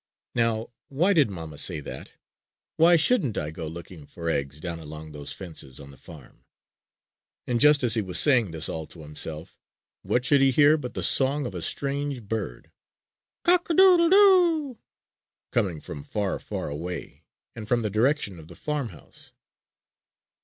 "Now, why did mamma say that? Why shouldn't I go looking for eggs down along those fences on the farm?" And just as he was saying this all to himself, what should he hear but the song of a strange bird: "Cock a doodle doo oo oo"; coming from far, far away and from the direction of the farmhouse.